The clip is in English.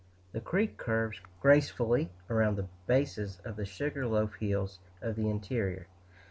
The creek curves gracefully around the bases of the sugar loaf hills of the interior.